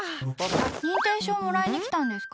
認定証もらいに来たんですか？